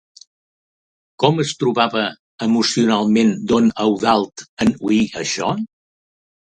Com es trobava emocionalment don Eudald en oir això?